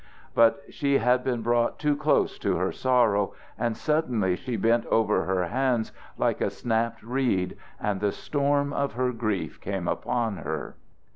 But she had been brought too close to her sorrow and suddenly she bent over her hands like a snapped reed and the storm of her grief came upon her.